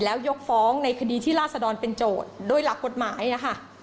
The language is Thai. แล้วยกฟ้องในคดีที่ราศดรเป็นโจทย์โดยหลักกฎหมายนะคะ